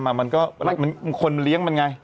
ว่ามันคนเลี้ยงมันไง